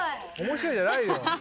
面白いじゃないよ。